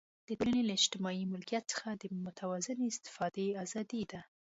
د ټولنې له اجتماعي ملکیت څخه د متوازنې استفادې آزادي ده.